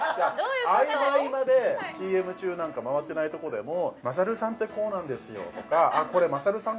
合間合間でＣＭ中なんか回ってないとこでも「優さんってこうなんですよ」とか「あっこれ優さん